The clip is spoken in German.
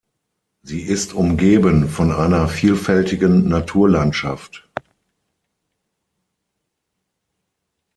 Sie ist umgeben von einer vielfältigen Naturlandschaft.